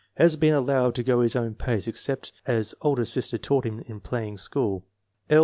Has been allowed to go his own pace, except as older sister taught him in playing school. L.